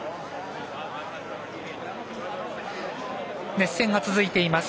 熱戦が続いています